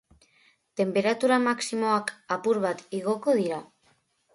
Tenperatura maximoak apur bat igoko dira.